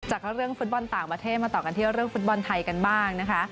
จากเรื่องฟุตบอลต่างประเทศมาต่อกันที่เรื่องฟุตบอลไทยกันบ้างนะคะ